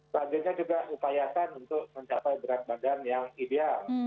selanjutnya juga upayakan untuk mencapai berat badan yang ideal